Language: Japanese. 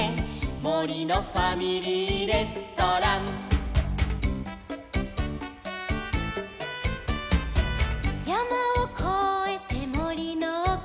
「もりのファミリーレストラン」「やまをこえてもりのおく」